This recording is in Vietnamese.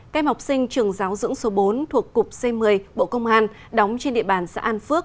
các em học sinh trường giáo dưỡng số bốn thuộc cục c một mươi bộ công an đóng trên địa bàn xã an phước